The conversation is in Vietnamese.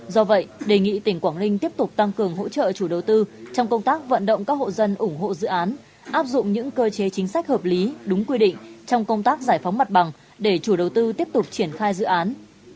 do vậy đề nghị tỉnh quảng ninh tiếp tục tăng cường hỗ trợ chủ đầu tư trong công tác vận động các hộ dân ủng hộ dự án áp dụng những cơ chế chính sách hợp lý đúng quy định trong công tác giải phóng mặt bằng để chủ đầu tư tiếp tục triển khai dự án